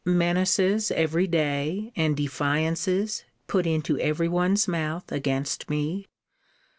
Menaces every day, and defiances, put into every one's mouth against me!